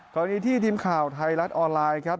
คราวนี้ที่ทีมข่าวไทยรัตน์ออนไลน์ครับ